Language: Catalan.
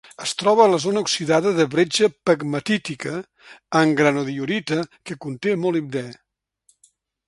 Es troba a la zona oxidada de bretxa pegmatítica en granodiorita que conté molibdè.